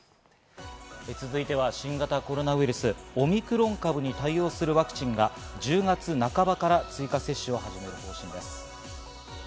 続いては新型コロナウイルス、オミクロン株に対応するワクチンが１０月半ばから追加接種を始める方針です。